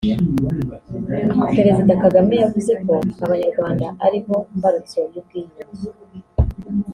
Perezida Kagame yavuze ko Abanyarwanda aribo mbarutso y’ubwiyunge